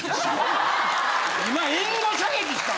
今援護射撃した。